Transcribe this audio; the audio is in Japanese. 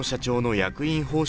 役員報酬